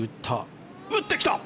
打ってきた！